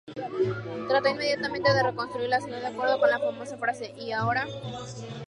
Trató inmediatamente de reconstruir la ciudad, de acuerdo con la famosa frase: ""¿Y ahora?